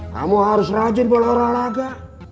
kamu harus rajin pola olahraga